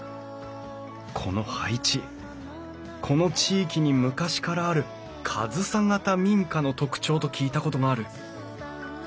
この配置この地域に昔からある上総型民家の特徴と聞いたことがある。